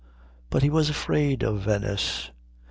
But he was afraid of Venice.